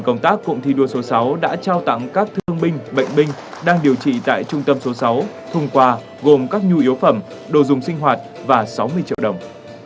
công trưởng số sáu đã trao tặng các thương binh bệnh binh đang điều trị tại trung tâm số sáu thùng quà gồm các nhu yếu phẩm đồ dùng sinh hoạt và sáu mươi triệu đồng